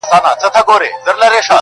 گلاب دی، گل دی، زړه دی د چا,